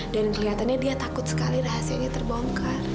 dan kelihatannya dia takut sekali rahasianya terbongkar